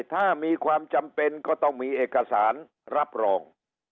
ถ้ามีความจำเป็นก็ต้องมีเอกสารรับรอง